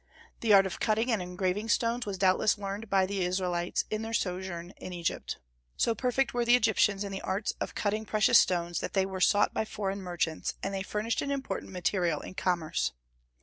The art of cutting and engraving stones was doubtless learned by the Israelites in their sojourn in Egypt. So perfect were the Egyptians in the arts of cutting precious stones that they were sought by foreign merchants, and they furnished an important material in commerce.